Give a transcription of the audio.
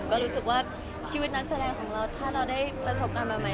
ก็รู้สึกว่าชีวิตนักแสดงของเราถ้าเราได้ประสบการณ์ใหม่